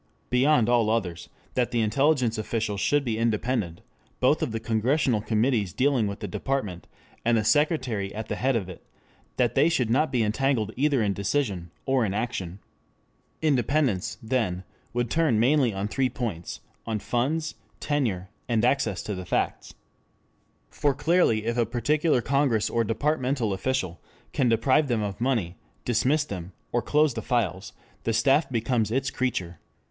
Beyond all others that the intelligence officials should be independent both of the Congressional Committees dealing with that department, and of the Secretary at the head of it; that they should not be entangled either in decision or in action. Independence, then, would turn mainly on three points on funds, tenure, and access to the facts. For clearly if a particular Congress or departmental official can deprive them of money, dismiss them, or close the files, the staff becomes its creature.